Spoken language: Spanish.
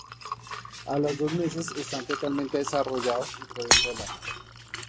A los dos meses están totalmente desarrollados y pueden volar.